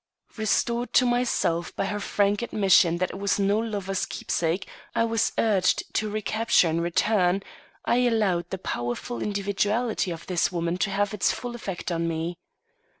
Restored to myself by her frank admission that it was no lover's keepsake I was urged to recapture and return, I allowed the powerful individuality of this woman to have its full effect upon me.